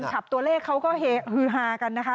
ขอแฟนคลับตัวเลขเขาก็ฮือฮากันนะคะ